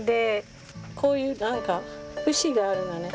こういう節があるのね。